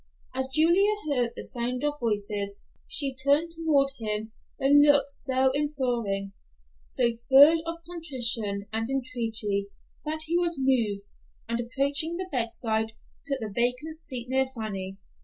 As Julia heard the sound of voices she turned toward him a look so imploring, so full of contrition and entreaty, that he was moved, and approaching the bedside, took the vacant seat near Fanny.